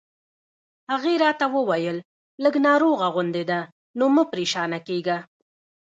هغې راته وویل: لږ ناروغه غوندې ده، نو مه پرېشانه کېږه.